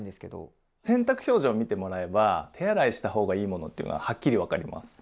洗濯表示を見てもらえば手洗いした方がいいものっていうのははっきり分かります。